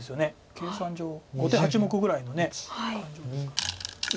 計算上後手８目ぐらいの感じもする。